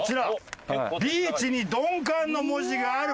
ビーチにドンカンの文字がある。